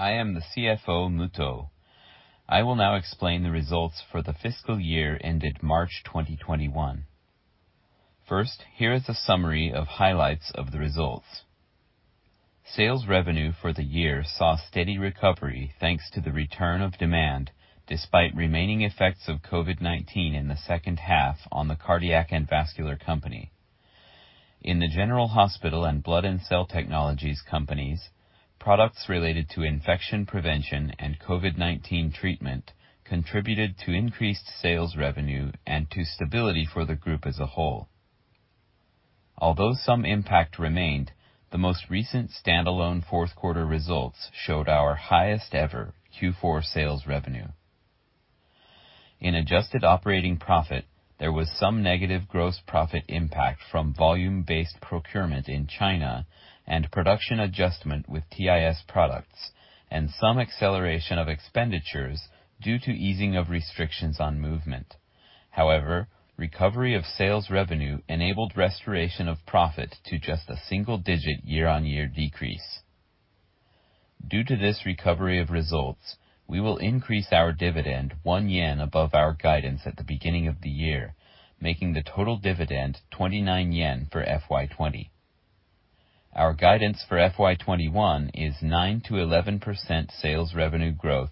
I am the CFO, Muto. I will now explain the results for the fiscal year ended March 2021. First, here is a summary of highlights of the results. Sales revenue for the year saw steady recovery thanks to the return of demand despite remaining effects of COVID-19 in the second half on the Cardiac and Vascular Company. In the General Hospital and Blood and Cell Technologies Companies, products related to infection prevention and COVID-19 treatment contributed to increased sales revenue and to stability for the group as a whole. Although some impact remained, the most recent standalone fourth quarter results showed our highest ever Q4 sales revenue. In adjusted operating profit, there was some negative gross profit impact from volume-based procurement in China and production adjustment with TIS products, and some acceleration of expenditures due to easing of restrictions on movement. However, recovery of sales revenue enabled restoration of profit to just a single-digit year-on-year decrease. Due to this recovery of results, we will increase our dividend 1 yen above our guidance at the beginning of the year, making the total dividend 29 yen for FY 2020. Our guidance for FY 2021 is 9%-11% sales revenue growth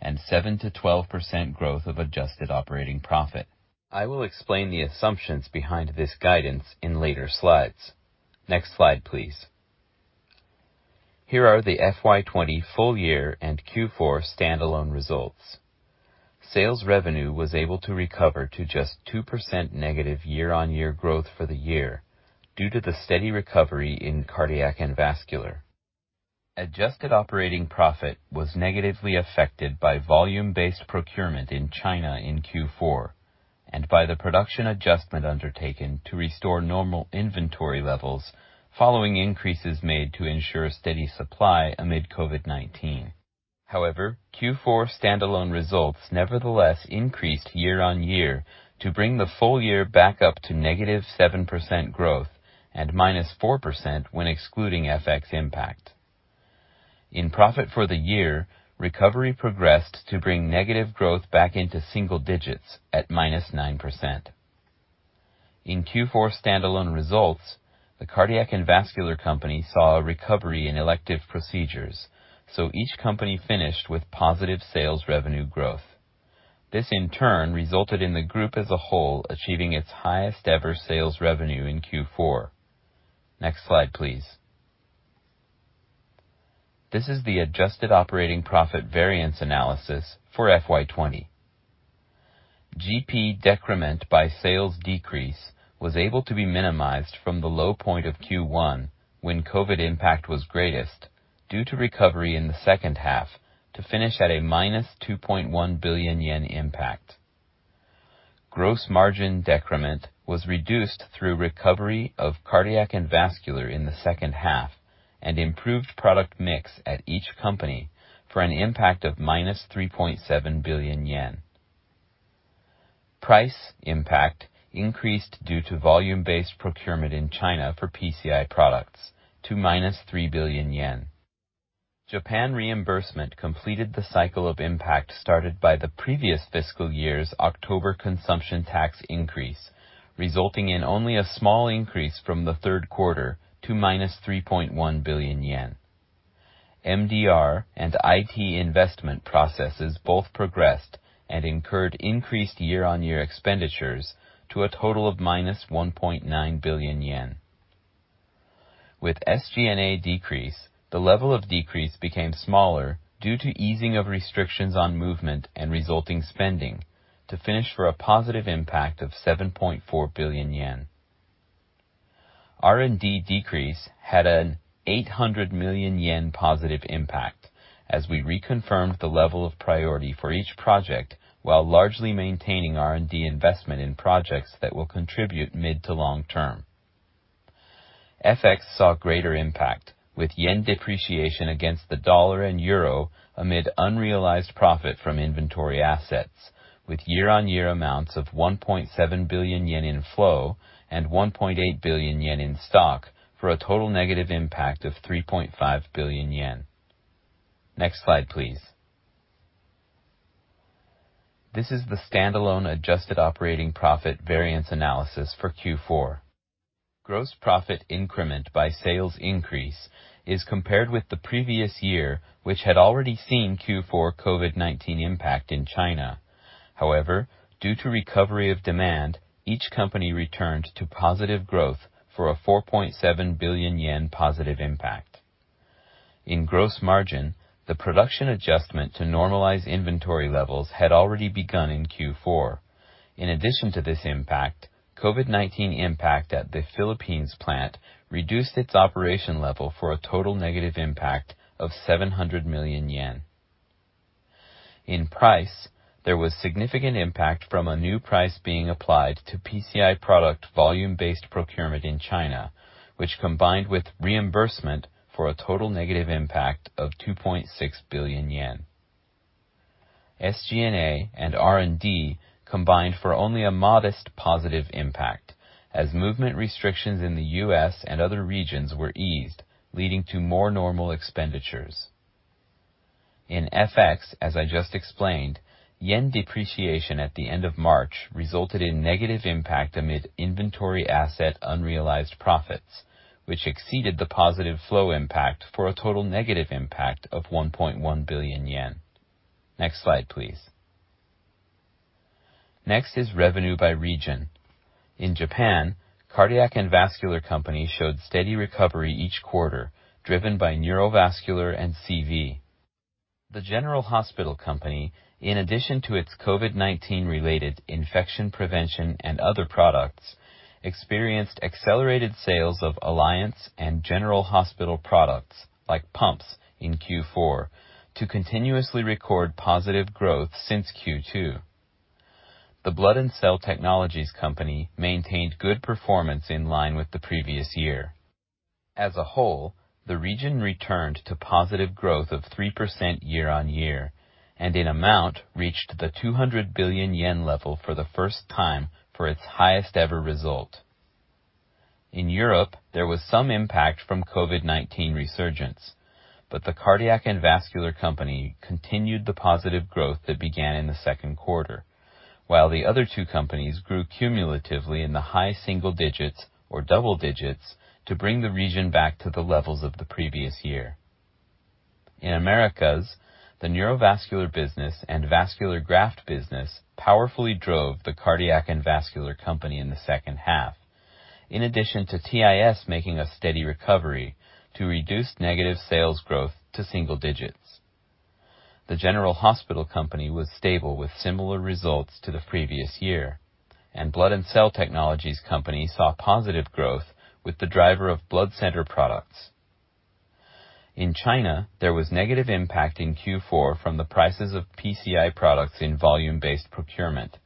and 7%-12% growth of adjusted operating profit. I will explain the assumptions behind this guidance in later slides. Next slide, please. Here are the FY 2020 full year and Q4 standalone results. Sales revenue was able to recover to just 2% negative year-on-year growth for the year due to the steady recovery in Cardiac and Vascular. Adjusted operating profit was negatively affected by volume-based procurement in China in Q4 and by the production adjustment undertaken to restore normal inventory levels following increases made to ensure steady supply amid COVID-19. However, Q4 standalone results nevertheless increased year-on-year to bring the full year back up to -7% growth and -4% when excluding FX impact. In profit for the year, recovery progressed to bring negative growth back into single digits at -9%. In Q4 standalone results, the Cardiac and Vascular Company saw a recovery in elective procedures, so each company finished with positive sales revenue growth. This, in turn, resulted in the group as a whole achieving its highest-ever sales revenue in Q4. Next slide, please. This is the adjusted operating profit variance analysis for FY 2020. GP decrement by sales decrease was able to be minimized from the low point of Q1 when COVID-19 impact was greatest due to recovery in the second half to finish at -2.1 billion yen impact. Gross margin decrement was reduced through recovery of Cardiac and Vascular in the second half and improved product mix at each company for an impact of -3.7 billion yen. Price impact increased due to volume-based procurement in China for PCI products to -3 billion yen. Japan reimbursement completed the cycle of impact started by the previous fiscal year's October consumption tax increase, resulting in only a small increase from the third quarter to -3.1 billion yen. MDR and IT investment processes both progressed and incurred increased year-on-year expenditures to a total of -1.9 billion yen. With SG&A decrease, the level of decrease became smaller due to easing of restrictions on movement and resulting spending to finish for a positive impact of 7.4 billion yen. R&D decrease had an 800 million yen positive impact as we reconfirmed the level of priority for each project while largely maintaining R&D investment in projects that will contribute mid to long term. FX saw greater impact with yen depreciation against the dollar and euro amid unrealized profit from inventory assets with year-on-year amounts of JPY 1.7 billion in flow and JPY 1.8 billion in stock for a total negative impact of JPY 3.5 billion. Next slide, please. This is the standalone adjusted operating profit variance analysis for Q4. Gross profit increment by sales increase is compared with the previous year, which had already seen Q4 COVID-19 impact in China. Due to recovery of demand, each company returned to positive growth for a JPY 4.7 billion positive impact. In gross margin, the production adjustment to normalize inventory levels had already begun in Q4. In addition to this impact, COVID-19 impact at the Philippines plant reduced its operation level for a total negative impact of 700 million yen. In price, there was significant impact from a new price being applied to PCI product volume-based procurement in China, which combined with reimbursement for a total negative impact of 2.6 billion yen. SG&A and R&D combined for only a modest positive impact as movement restrictions in the U.S. and other regions were eased, leading to more normal expenditures. In FX, as I just explained, yen depreciation at the end of March resulted in negative impact amid inventory asset unrealized profits, which exceeded the positive flow impact for a total negative impact of 1.1 billion yen. Next slide, please. Next is revenue by region. In Japan, Cardiac and Vascular Company showed steady recovery each quarter, driven by neurovascular and CV. The General Hospital Company, in addition to its COVID-19 related infection prevention and other products, experienced accelerated sales of alliance and general hospital products like pumps in Q4 to continuously record positive growth since Q2. The Blood and Cell Technologies Company maintained good performance in line with the previous year. As a whole, the region returned to positive growth of 3% year-on-year, and in amount reached the 200 billion yen level for the first time for its highest ever result. In Europe, there was some impact from COVID-19 resurgence, but the Cardiac and Vascular Company continued the positive growth that began in the second quarter. While the other two companies grew cumulatively in the high single digits or double digits to bring the region back to the levels of the previous year. In Americas, the neurovascular business and vascular graft business powerfully drove the Cardiac and Vascular Company in the second half. In addition to TIS making a steady recovery to reduce negative sales growth to single digits. The General Hospital Company was stable with similar results to the previous year, and Blood and Cell Technologies Company saw positive growth with the driver of blood center products. In China, there was negative impact in Q4 from the prices of PCI products in volume-based procurement.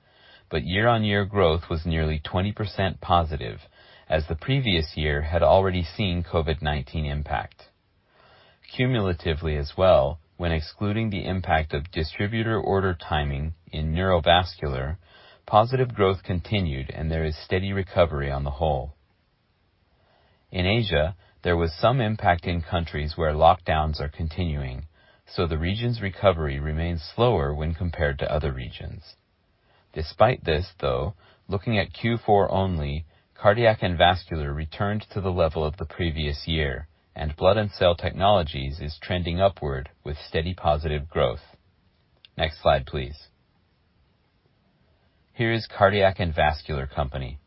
Year-on-year growth was nearly 20% positive as the previous year had already seen COVID-19 impact. Cumulatively as well, when excluding the impact of distributor order timing in neurovascular, positive growth continued and there is steady recovery on the whole. In Asia, there was some impact in countries where lockdowns are continuing, so the region's recovery remains slower when compared to other regions. Despite this, though, looking at Q4 only, Cardiac and Vascular returned to the level of the previous year. Blood and Cell Technologies is trending upward with steady positive growth. Next slide, please. Here is Cardiac and Vascular Company.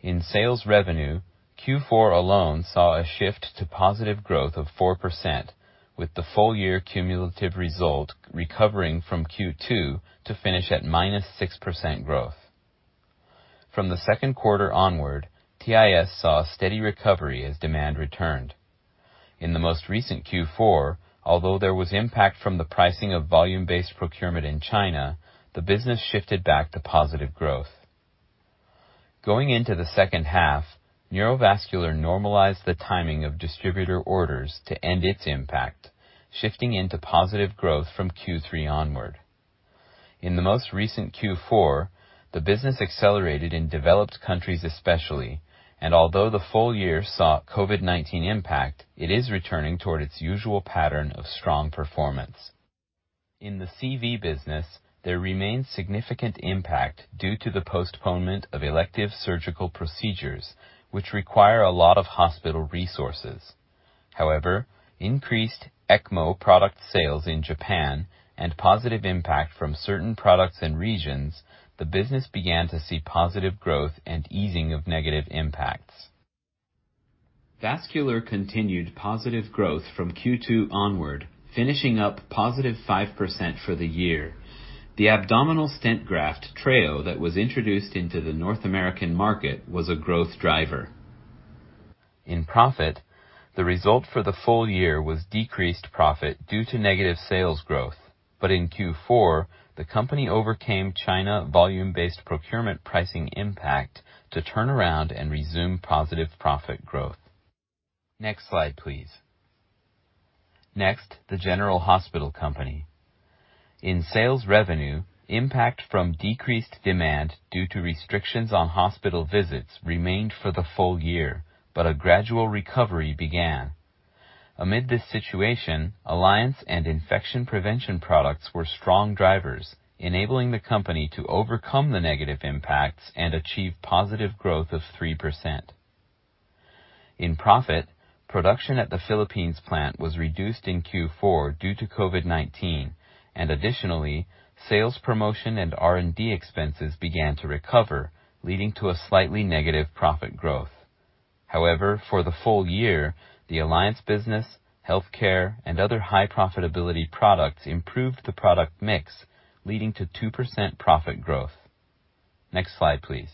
In sales revenue, Q4 alone saw a shift to positive growth of 4% with the full year cumulative result recovering from Q2 to finish at -6% growth. From the second quarter onward, TIS saw steady recovery as demand returned. In the most recent Q4, although there was impact from the pricing of volume-based procurement in China, the business shifted back to positive growth. Going into the second half, neurovascular normalized the timing of distributor orders to end its impact, shifting into positive growth from Q3 onward. In the most recent Q4, the business accelerated in developed countries especially. Although the full year saw COVID-19 impact, it is returning toward its usual pattern of strong performance. In the CV business, there remains significant impact due to the postponement of elective surgical procedures, which require a lot of hospital resources. However, increased ECMO product sales in Japan and positive impact from certain products and regions, the business began to see positive growth and easing of negative impacts. Vascular continued positive growth from Q2 onward, finishing up positive 5% for the year. The abdominal stent graft, TREO, that was introduced into the North American market was a growth driver. In profit, the result for the full year was decreased profit due to negative sales growth. In Q4, the company overcame China volume-based procurement pricing impact to turn around and resume positive profit growth. Next slide, please. Next, the General Hospital Company. In sales revenue, impact from decreased demand due to restrictions on hospital visits remained for the full year, but a gradual recovery began. Amid this situation, alliance and infection prevention products were strong drivers, enabling the company to overcome the negative impacts and achieve positive growth of 3%. In profit, production at the Philippines plant was reduced in Q4 due to COVID-19. Additionally, sales promotion and R&D expenses began to recover, leading to a slightly negative profit growth. For the full year, the alliance business, healthcare, and other high profitability products improved the product mix, leading to 2% profit growth. Next slide, please.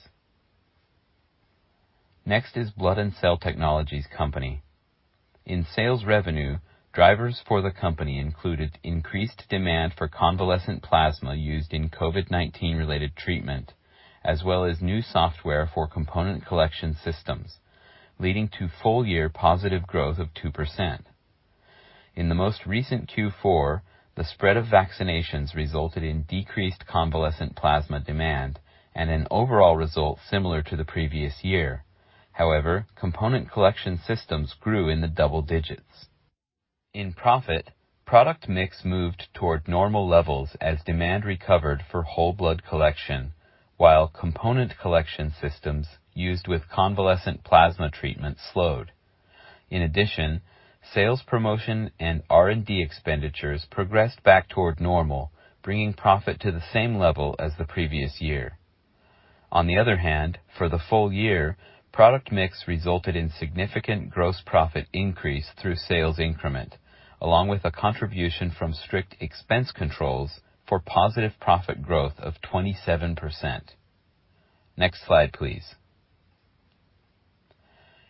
Next is Blood and Cell Technologies Company. In sales revenue, drivers for the company included increased demand for convalescent plasma used in COVID-19 related treatment, as well as new software for component collection systems, leading to full year positive growth of 2%. In the most recent Q4, the spread of vaccinations resulted in decreased convalescent plasma demand and an overall result similar to the previous year. However, component collection systems grew in the double digits. In profit, product mix moved toward normal levels as demand recovered for whole blood collection while component collection systems used with convalescent plasma treatment slowed. In addition, sales promotion and R&D expenditures progressed back toward normal, bringing profit to the same level as the previous year. On the other hand, for the full year, product mix resulted in significant gross profit increase through sales increment, along with a contribution from strict expense controls for positive profit growth of 27%. Next slide, please.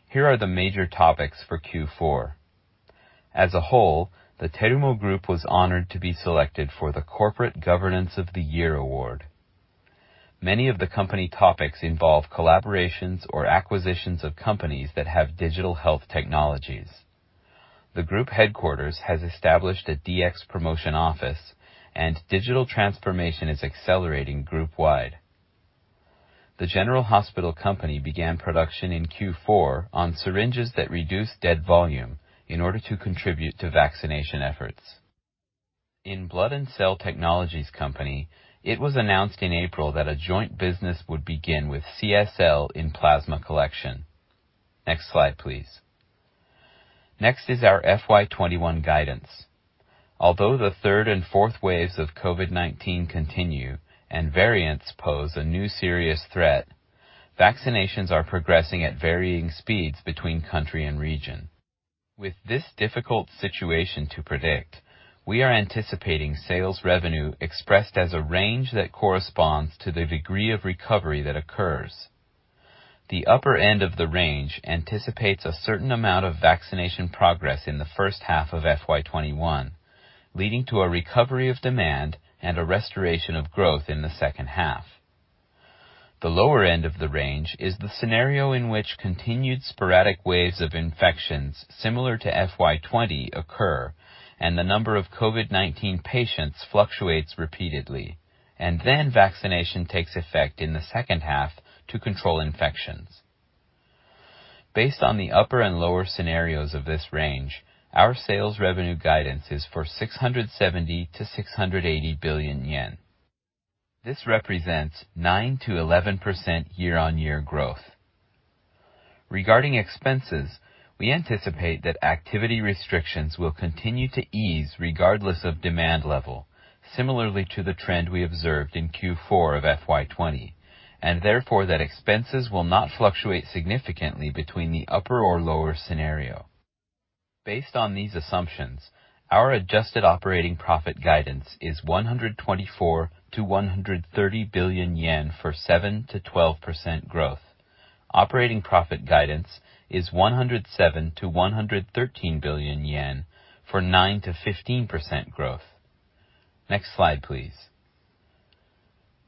Here are the major topics for Q4. As a whole, the Terumo Group was honored to be selected for the Corporate Governance of the Year award. Many of the company topics involve collaborations or acquisitions of companies that have digital health technologies. The group headquarters has established a DX promotion office, and digital transformation is accelerating group-wide. The General Hospital Company began production in Q4 on syringes that reduce dead volume in order to contribute to vaccination efforts. In Blood and Cell Technologies Company, it was announced in April that a joint business would begin with CSL in plasma collection. Next slide, please. Next is our FY 2021 guidance. Although the third and fourth waves of COVID-19 continue and variants pose a new serious threat, vaccinations are progressing at varying speeds between country and region. With this difficult situation to predict, we are anticipating sales revenue expressed as a range that corresponds to the degree of recovery that occurs. The upper end of the range anticipates a certain amount of vaccination progress in the first half of FY21, leading to a recovery of demand and a restoration of growth in the second half. The lower end of the range is the scenario in which continued sporadic waves of infections similar to FY 2020 occur, and the number of COVID-19 patients fluctuates repeatedly, and then vaccination takes effect in the second half to control infections. Based on the upper and lower scenarios of this range, our sales revenue guidance is for 670 billion-680 billion yen. This represents 9%-11% year-on-year growth. Regarding expenses, we anticipate that activity restrictions will continue to ease regardless of demand level, similarly to the trend we observed in Q4 of FY 2020, and therefore, that expenses will not fluctuate significantly between the upper or lower scenario. Based on these assumptions, our adjusted operating profit guidance is 124 billion-130 billion yen for 7%-12% growth. Operating profit guidance is 107 billion-113 billion yen for 9%-15% growth. Next slide, please.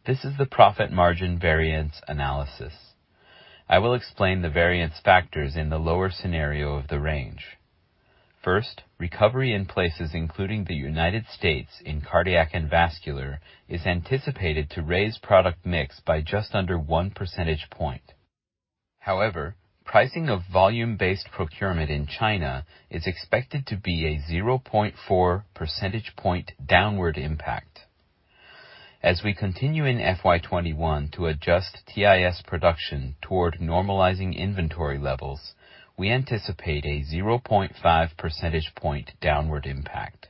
This is the profit margin variance analysis. I will explain the variance factors in the lower scenario of the range. First, recovery in places including the U.S. in Cardiac and Vascular is anticipated to raise product mix by just under one percentage point. However, pricing of volume-based procurement in China is expected to be a 0.4 percentage point downward impact. As we continue in FY 2021 to adjust TIS production toward normalizing inventory levels, we anticipate a 0.5 percentage point downward impact.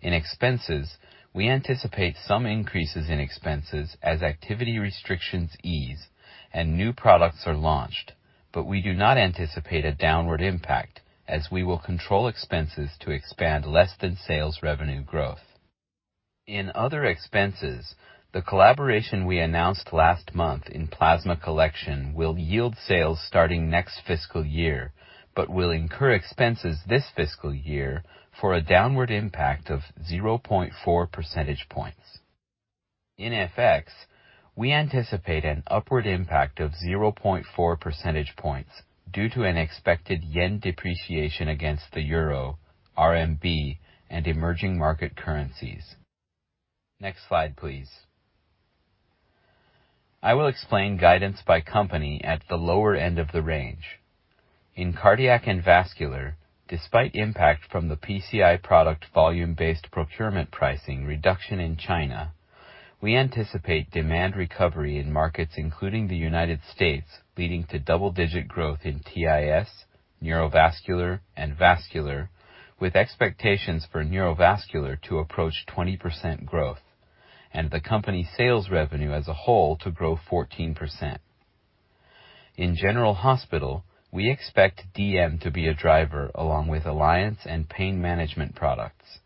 In expenses, we anticipate some increases in expenses as activity restrictions ease and new products are launched, but we do not anticipate a downward impact as we will control expenses to expand less than sales revenue growth. In other expenses, the collaboration we announced last month in plasma collection will yield sales starting next fiscal year but will incur expenses this fiscal year for a downward impact of 0.4 percentage points. In FX, we anticipate an upward impact of 0.4 percentage points due to an expected yen depreciation against the euro, RMB, and emerging market currencies. Next slide, please. I will explain guidance by company at the lower end of the range. In Cardiac and Vascular, despite impact from the PCI product volume-based procurement pricing reduction in China, we anticipate demand recovery in markets including the U.S., leading to double-digit growth in TIS, neurovascular, and vascular, with expectations for neurovascular to approach 20% growth, and the company sales revenue as a whole to grow 14%. In General Hospital, we expect DM to be a driver along with alliance and pain management products.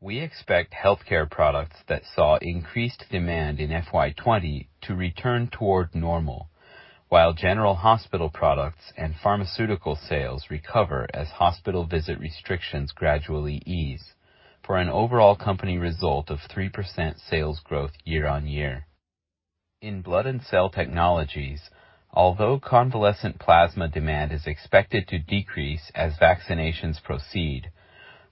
We expect healthcare products that saw increased demand in FY 2020 to return toward normal, while General Hospital products and pharmaceutical sales recover as hospital visit restrictions gradually ease for an overall company result of 3% sales growth year on year. In Blood and Cell Technologies, although convalescent plasma demand is expected to decrease as vaccinations proceed,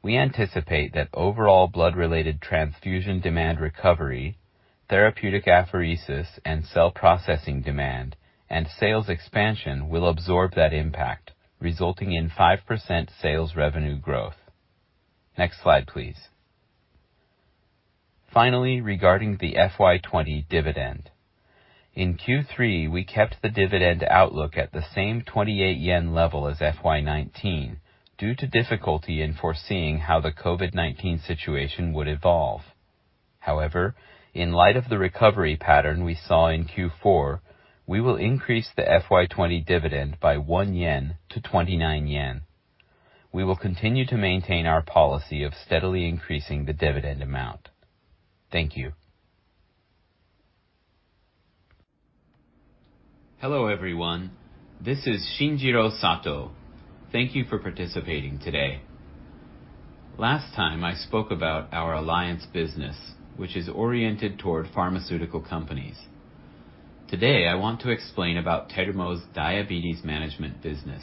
we anticipate that overall blood-related transfusion demand recovery, therapeutic apheresis and cell processing demand, and sales expansion will absorb that impact, resulting in 5% sales revenue growth. Next slide, please. Finally, regarding the FY 2020 dividend. In Q3, we kept the dividend outlook at the same 28 yen level as FY 2019 due to difficulty in foreseeing how the COVID-19 situation would evolve. In light of the recovery pattern we saw in Q4, we will increase the FY 2020 dividend by 1-29 yen. We will continue to maintain our policy of steadily increasing the dividend amount. Thank you. Hello, everyone. This is Shinjiro Sato. Thank you for participating today. Last time, I spoke about our alliance business, which is oriented toward pharmaceutical companies. Today, I want to explain about Terumo's Diabetes Management Business.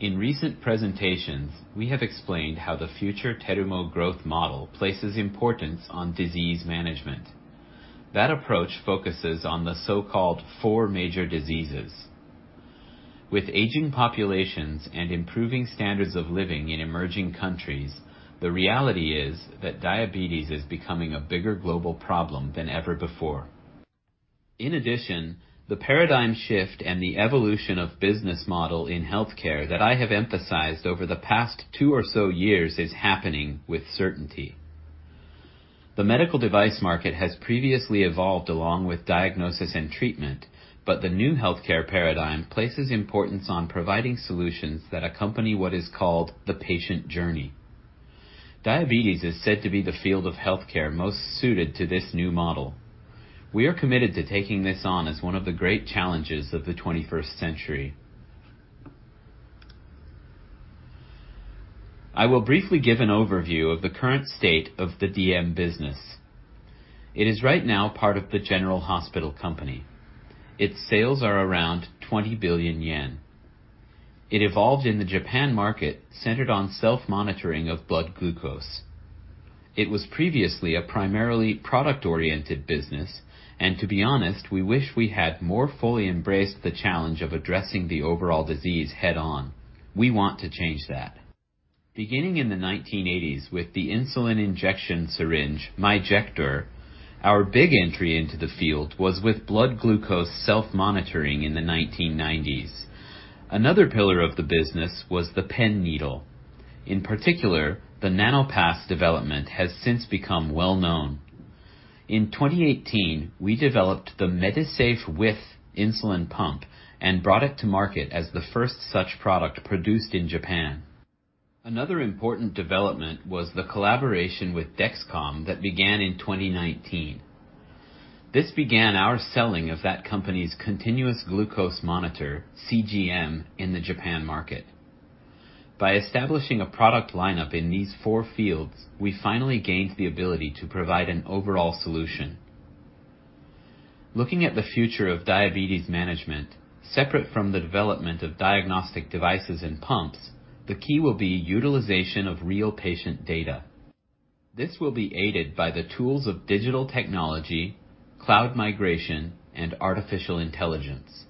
In recent presentations, we have explained how the future Terumo growth model places importance on disease management. That approach focuses on the so-called four major diseases. With aging populations and improving standards of living in emerging countries, the reality is that diabetes is becoming a bigger global problem than ever before. In addition, the paradigm shift and the evolution of business model in healthcare that I have emphasized over the past two or so years is happening with certainty. The medical device market has previously evolved along with diagnosis and treatment, but the new healthcare paradigm places importance on providing solutions that accompany what is called the patient journey. Diabetes is said to be the field of healthcare most suited to this new model. We are committed to taking this on as one of the great challenges of the 21st century. I will briefly give an overview of the current state of the DM Business. It is right now part of the General Hospital Company. Its sales are around 20 billion yen. It evolved in the Japan market centered on self-monitoring of blood glucose. It was previously a primarily product-oriented business, and to be honest, we wish we had more fully embraced the challenge of addressing the overall disease head-on. We want to change that. Beginning in the 1980s with the insulin injection syringe Myjector, our big entry into the field was with blood glucose self-monitoring in the 1990s. Another pillar of the business was the pen needle. In particular, the Nanopass development has since become well-known. In 2018, we developed the MEDISAFE WITH insulin pump and brought it to market as the first such product produced in Japan. Another important development was the collaboration with Dexcom that began in 2019. This began our selling of that company's continuous glucose monitor, CGM, in the Japan market. By establishing a product lineup in these four fields, we finally gained the ability to provide an overall solution. Looking at the future of diabetes management, separate from the development of diagnostic devices and pumps, the key will be utilization of real patient data. This will be aided by the tools of digital technology, cloud migration, and artificial intelligence.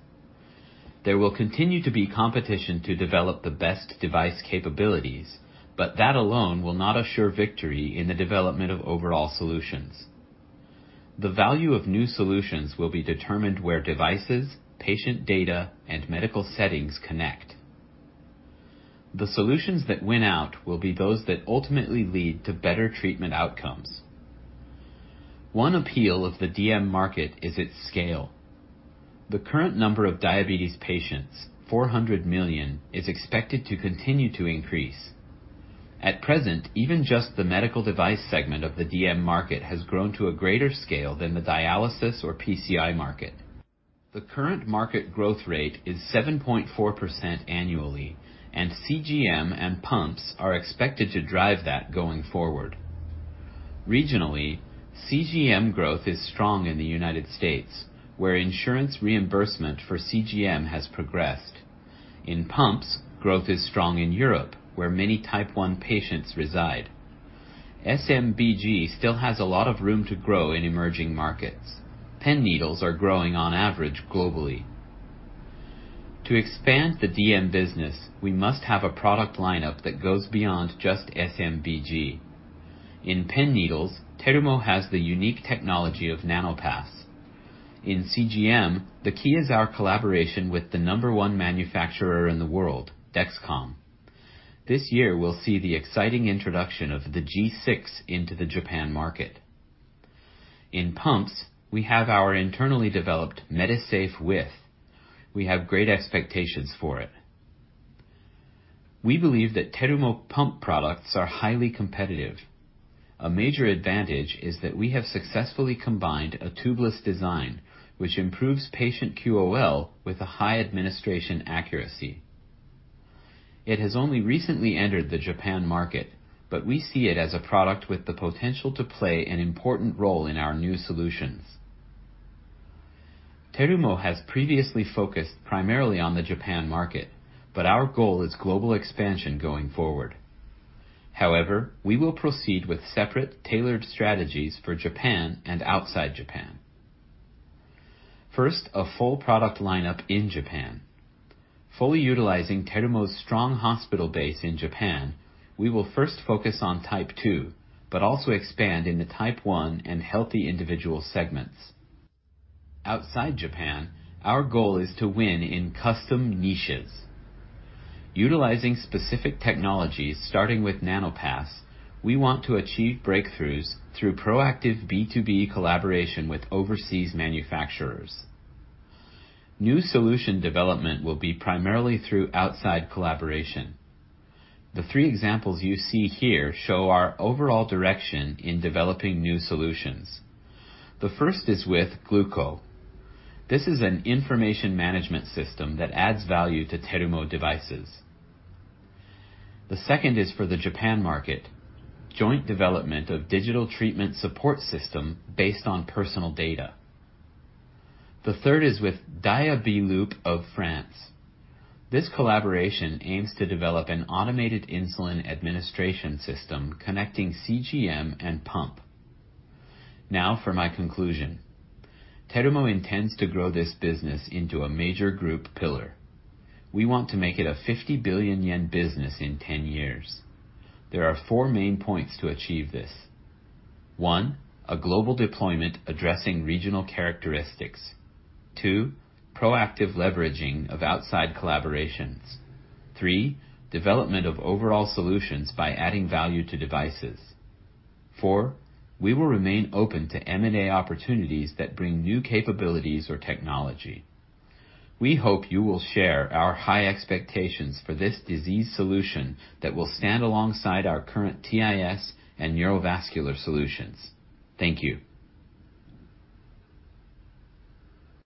There will continue to be competition to develop the best device capabilities, but that alone will not assure victory in the development of overall solutions. The value of new solutions will be determined where devices, patient data, and medical settings connect. The solutions that win out will be those that ultimately lead to better treatment outcomes. One appeal of the DM market is its scale. The current number of diabetes patients, 400 million, is expected to continue to increase. At present, even just the medical device segment of the DM market has grown to a greater scale than the dialysis or PCI market. The current market growth rate is 7.4% annually, and CGM and pumps are expected to drive that going forward. Regionally, CGM growth is strong in the United States, where insurance reimbursement for CGM has progressed. In pumps, growth is strong in Europe, where many Type 1 patients reside. SMBG still has a lot of room to grow in emerging markets. Pen needles are growing on average globally. To expand the DM Business, we must have a product lineup that goes beyond just SMBG. In pen needles, Terumo has the unique technology of Nanopass. In CGM, the key is our collaboration with the number one manufacturer in the world, Dexcom. This year will see the exciting introduction of the G6 into the Japan market. In pumps, we have our internally developed MEDISAFE WITH. We have great expectations for it. We believe that Terumo pump products are highly competitive. A major advantage is that we have successfully combined a tubeless design, which improves patient QOL with a high administration accuracy. It has only recently entered the Japan market, but we see it as a product with the potential to play an important role in our new solutions. Terumo has previously focused primarily on the Japan market, but our goal is global expansion going forward. However, we will proceed with separate tailored strategies for Japan and outside Japan. First, a full product lineup in Japan. Fully utilizing Terumo's strong hospital base in Japan, we will first focus on Type 2, also expand in the Type 1 and healthy individual segments. Outside Japan, our goal is to win in custom niches. Utilizing specific technologies starting with Nanopass, we want to achieve breakthroughs through proactive B2B collaboration with overseas manufacturers. New solution development will be primarily through outside collaboration. The three examples you see here show our overall direction in developing new solutions. The first is with Glooko. This is an information management system that adds value to Terumo devices. The second is for the Japan market, joint development of digital treatment support system based on personal data. The third is with Diabeloop of France. This collaboration aims to develop an automated insulin administration system connecting CGM and pump. For my conclusion. Terumo intends to grow this business into a major group pillar. We want to make it a 50 billion yen business in 10 years. There are four main points to achieve this. One, a global deployment addressing regional characteristics. Two, proactive leveraging of outside collaborations. Three, development of overall solutions by adding value to devices. Four, we will remain open to M&A opportunities that bring new capabilities or technology. We hope you will share our high expectations for this disease solution that will stand alongside our current TIS and neurovascular solutions. Thank you.